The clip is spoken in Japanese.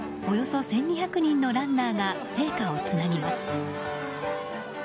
およそ１２００人のランナーが聖火をつなぎます。